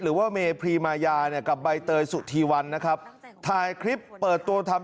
หรือว่าเมพรีมายาเนี่ยกับใบเตยสุธีวันนะครับถ่ายคลิปเปิดตัวทำ